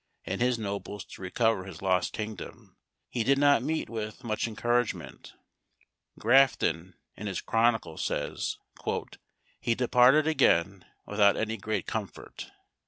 and his nobles to recover his lost kingdom, he did not meet with much encouragement. Grafton, in his Chronicle, says, "he departed again without any great comfort."